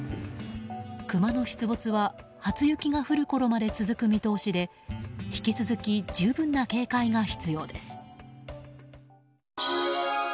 クマの出没は初雪が降るころまで続く見通しで引き続き十分な警戒が必要です。